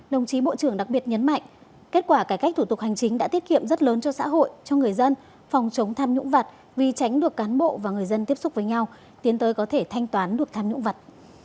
đồng chí bộ trưởng đặc biệt nhấn mạnh kết quả cải cách thủ tục hành chính đã tiết kiệm rất lớn cho xã hội cho người dân phòng chống tham nhũng vặt vì tránh được cán bộ và người dân tiếp xúc với nhau tiến tới có thể thanh toán được tham nhũng vật